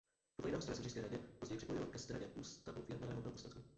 Podle jiného zdroje se v Říšské radě později připojil ke Straně ústavověrného velkostatku.